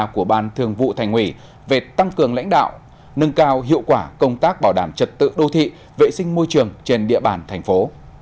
của ban thường vụ thành ủy về tăng cường lãnh đạo nâng cao hiệu quả công tác bảo đảm trật tự đô thị vệ sinh môi trường trên địa bàn thành phố